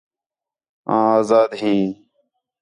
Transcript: آں آزار ھیں